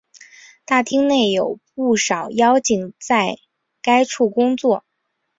大厅内有不少妖精在该处工作。